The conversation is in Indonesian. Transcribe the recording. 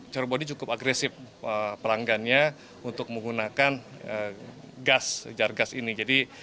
cerebon ini cukup agresif pelanggannya untuk menggunakan gas jar gas ini